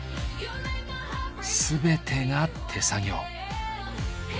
全てが手作業。